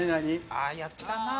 ああやったな。